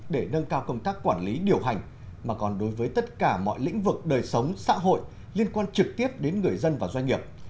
để nâng cao công tác quản lý điều hành mà còn đối với tất cả mọi lĩnh vực đời sống xã hội liên quan trực tiếp đến người dân và doanh nghiệp